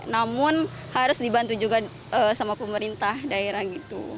namun harus dibantu juga sama pemerintah daerah gitu